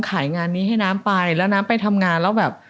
ขายงานนี้ให้น้ำไปแล้วน้ำไปทำงานแล้วแบบ